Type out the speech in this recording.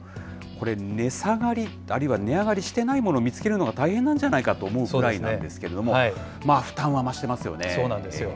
これ、値下がり、あるいは値上がりしていないものを見つけるのが大変なんじゃないかと思うぐらいなんですけれども、負担は増してそうなんですよ。